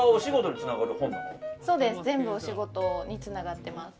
全部お仕事につながってます。